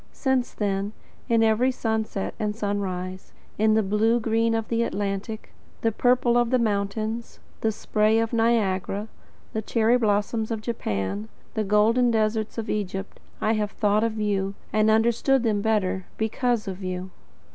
Since then, in every sunset and sunrise, in the blue green of the Atlantic, the purple of the mountains, the spray of Niagara, the cherry blossom of Japan, the golden deserts of Egypt, I have thought of you, and understood them better, because of you.